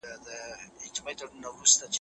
مفرور ناول ډېر مینه وال لري.